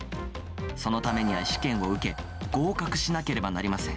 そのためには試験を受け、合格しなければなりません。